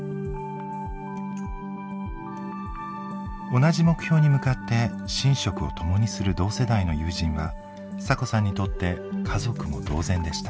同じ目標に向かって寝食を共にする同世代の友人はサコさんにとって家族も同然でした。